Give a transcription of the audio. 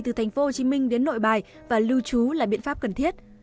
từ tp hcm đến nội bài và lưu trú là biện pháp cần thiết